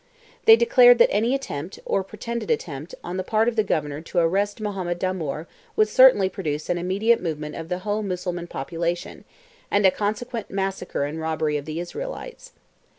They declared that any attempt, or pretended attempt, on the part of the Governor to arrest Mohammed Damoor would certainly produce an immediate movement of the whole Mussulman population, and a consequent massacre and robbery of the Israelites.